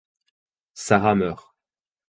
Sara meurt.